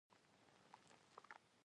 د بدن د پړسوب لپاره د وربشو اوبه وڅښئ